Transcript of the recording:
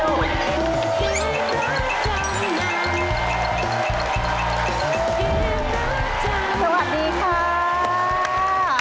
วันนี้จิลพาสุดที่รักมาด้วยนะจ๊ะ